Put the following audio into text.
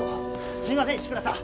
すいません石倉さん。